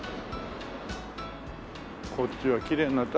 こっちはきれいになった。